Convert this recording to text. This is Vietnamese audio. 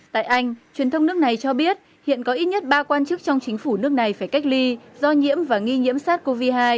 tại anh truyền thông nước này cho biết hiện có ít nhất ba quan chức trong chính phủ nước này phải cách ly do nhiễm và nghi nhiễm sars cov hai